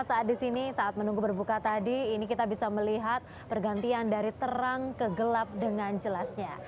saat di sini saat menunggu berbuka tadi ini kita bisa melihat pergantian dari terang ke gelap dengan jelasnya